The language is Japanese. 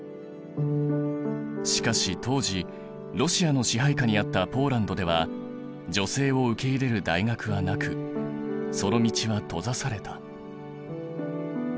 しかし当時ロシアの支配下にあったポーランドでは女性を受け入れる大学はなくその道は閉ざされた。